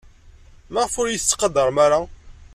Maɣef ur iyi-tettqadarem ara?